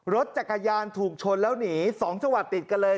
รถจักรยานถูกชนแล้วหนี๒จังหวัดติดกันเลย